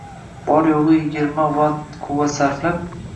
– bor-yo‘g‘i yigirma vatt quvvat sarflab